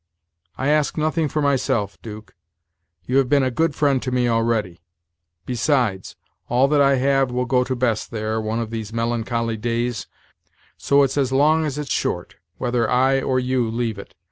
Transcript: I ask nothing for myself, 'Duke; you have been a good friend to me already; besides, all that I have will go to Bess there, one of these melancholy days, so it's as long as it's short, whether I or you leave it.